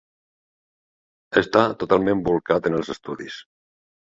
Està totalment bolcat en els estudis.